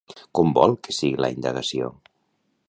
Com vol que sigui la indagació?